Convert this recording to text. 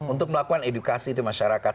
untuk melakukan edukasi ke masyarakat